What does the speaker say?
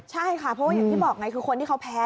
ใช่ค่ะเพราะว่าอย่างที่บอกไงคือคนที่เขาแพ้